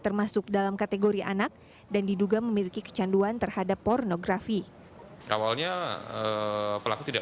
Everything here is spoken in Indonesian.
termasuk dalam kategori anak dan diduga memiliki kecanduan terhadap pornografi awalnya pelaku tidak